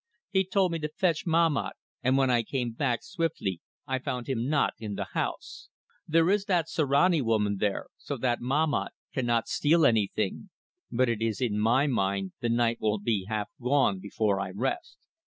"He told me to fetch Mahmat, and when I came back swiftly I found him not in the house. There is that Sirani woman there, so that Mahmat cannot steal anything, but it is in my mind, the night will be half gone before I rest."